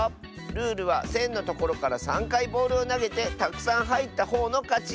ルールはせんのところから３かいボールをなげてたくさんはいったほうのかち！